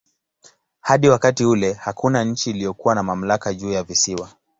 Hadi wakati ule hakuna nchi iliyokuwa na mamlaka juu ya visiwa.